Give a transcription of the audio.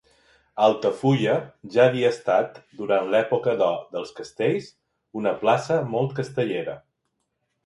Altafulla ja havia estat, durant l'època d'or dels castells, una plaça molt castellera.